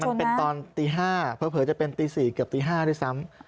มันเป็นตอนตี๕เผลอจะเป็นตี๔เกือบตี๕ด้วยซ้ำ